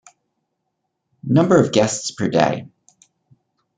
Number of guests per day.